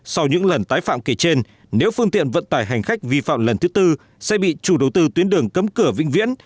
sau những lần tái phạm kể trên nếu phương tiện vận tải hành khách vi phạm lần thứ tư sẽ bị chủ đầu tư tuyến đường cấm cửa vĩnh viễn